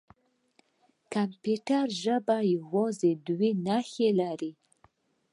د کمپیوټر ژبه یوازې دوه نښې لري.